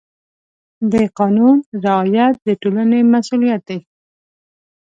د قانون رعایت د ټولنې مسؤلیت دی.